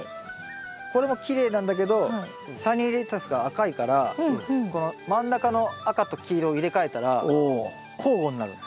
これもきれいなんだけどサニーレタスが赤いからこの真ん中の赤と黄色を入れ替えたら交互になる。